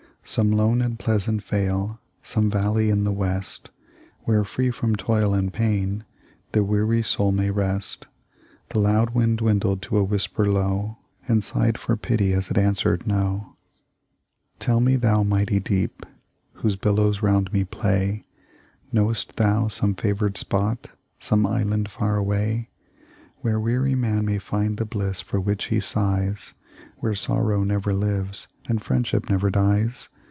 Some lone and pleasant vale Some valley in the West, Where, free from toil and pain, The weary soul may rest? The loud wind dwindled to a whisper low, And sighed for pity as it answered, No. 322 THE LIFE OF LINCOLN. "Tell me, thou mighty deep, Whose billows round me play, Knows't thou some favored spot, Some island far away, Where weary man may find The bliss for which he sighs; Where sorrow never lives And friendship never dies?